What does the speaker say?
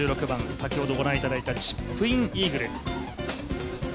先ほど御覧いただいたチップインイーグル。